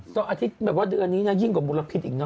ตอนอาทิตย์เดือนนี้ยิ่งกว่ามุรพิษอีกเนอะ